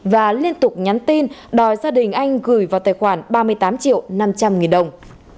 và liên tục nhắn tin đòi gia đình anh gửi vào tài khoản ba mươi tám triệu năm trăm linh nghìn đồng